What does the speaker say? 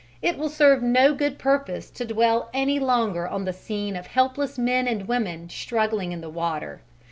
It will serve no good purpose to dwell any longer on the scene of helpless men and women struggling in the water.